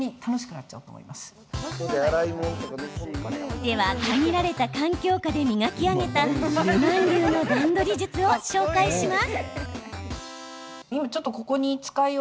では限られた環境下で磨き上げたル・マン流の段取り術を紹介します。